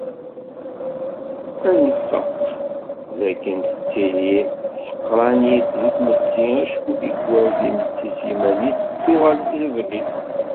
Ad nfaq d akken tettili tḥeqqṛanit di tmetti acku tikkwal timetti s yiman-is tettuɣal d tiẓgi.